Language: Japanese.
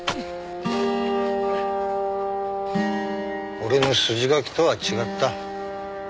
俺の筋書きとは違った。